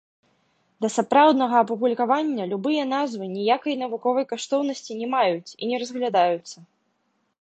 Да сапраўднага апублікавання любыя назвы ніякай навуковай каштоўнасці не маюць і не разглядаюцца.